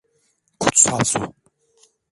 Kutsal su.